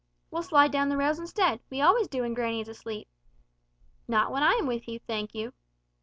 "We'll slide down the rails instead, we always do when granny is asleep." "Not when I am with you, thank you."